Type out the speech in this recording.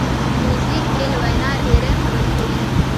موزیک بې له وینا ډېری خبرې کوي.